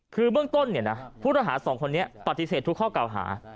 คือเมื่องต้นเนี่ยนะผู้ต้องหา๒คนนี้ปฏิเสธทุกข้อเข้าหา